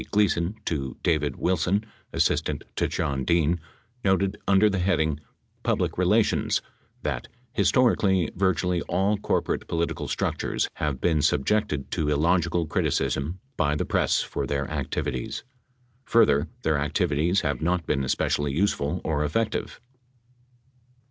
Gleason to David Wilson, assistant to John Dean, noted under the heading "Public Relations" that : "Historically, virtually all corporate political struc tures have been subjected to illogical criticism by the press for their activities. Further, their activities have not been especially use ful or effective."